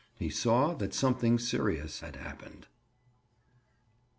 He saw that something serious had happened.